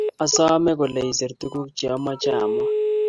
Asame kole isir tukuk che ameche amwa